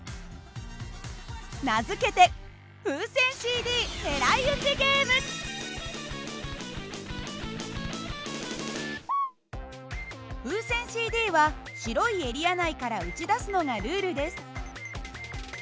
名付けて風船ＣＤは白いエリア内から撃ち出すのがルールです。